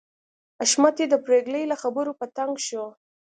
حشمتي د پريګلې له خبرو په تنګ شو